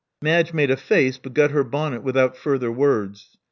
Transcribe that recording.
'' Madge made a face, but got her bonnet without further words.